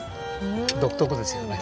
独特ですよね。